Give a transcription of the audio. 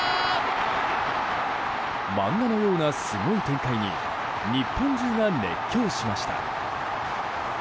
漫画のようなすごい展開に日本中が熱狂しました。